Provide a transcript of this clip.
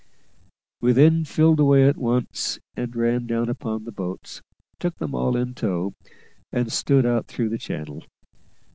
We then filled away once more, and ran down upon the boats, took them all in tow, and stood out through the channel.